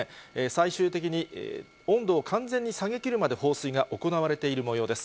最終的に温度を完全に下げきるまで放水が行われているもようです。